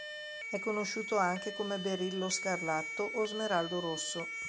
È conosciuto anche come "berillo scarlatto" o "smeraldo rosso".